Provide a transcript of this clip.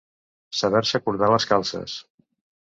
Saber-se cordar les calces.